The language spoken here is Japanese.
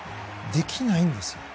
できないんです。